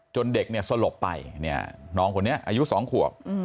จนเด็กเนี่ยสลบไปน้องคนนี้อายุ๒ขวบ